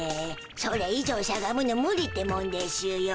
それ以上しゃがむの無理ってもんでしゅよ。